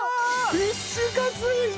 フィッシュカツいった！